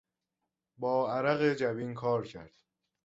با عرق جبین کار کرد.